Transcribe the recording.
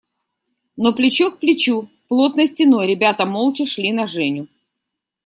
Но плечо к плечу, плотной стеной ребята молча шли на Женю.